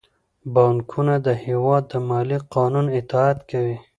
بانکونه د هیواد د مالي قانون اطاعت کوي.